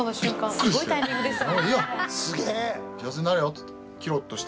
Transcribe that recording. すごいタイミングですよね。